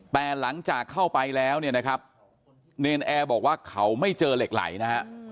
แต่หลังจากเข้าไปแล้วเนนแอร์บอกว่าเขาไม่เจอเหล็กไหลนะครับ